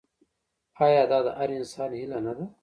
آیا دا د هر انسان هیله نه ده؟